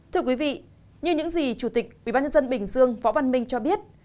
thưa quý vị như những gì chủ tịch ubnd bình dương phó băn minh cho biết